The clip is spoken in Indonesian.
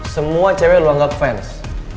semua cewek lo anggap fans